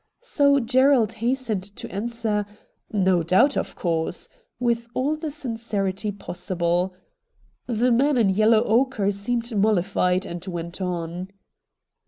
So Gerald hastened to answer, 'Xo doubt, of course,' with all the sincerity possible. The man in yellow ochre seemed mollified, and went on.